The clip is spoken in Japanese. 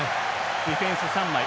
ディフェンス３枚。